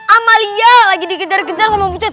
amalia lagi dikejar kejar sama bucet